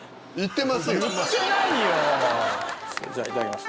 それじゃいただきます。